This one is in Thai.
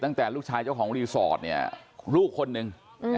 ตั้งแต่ลูกชายเจ้าของรีสอร์ทเนี่ยลูกคนนึง